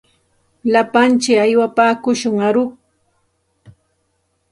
Lapantsik aywapaakushun aruq.